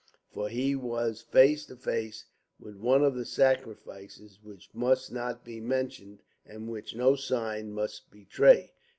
For he was face to face with one of the sacrifices which must not be mentioned, and which no sign must betray.